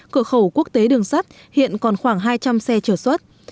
cửa khẩu quốc tế đường sắt hiện còn khoảng hai trăm linh xe chở xuất